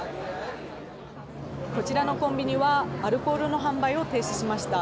こちらのコンビニはアルコールの販売を停止しました。